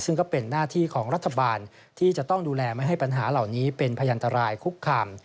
ซึ่งก็เป็นหน้าที่ของรัฐบาลที่จะต้องดูแลไม่ให้ปัญหาเหล่านี้เป็นพยันตรายคุกคาม